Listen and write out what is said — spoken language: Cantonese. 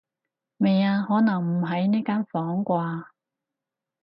未啊，可能唔喺呢間房啩